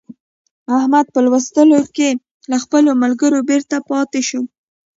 احمد په لوستونو کې له خپلو ملګرو بېرته پاته شو.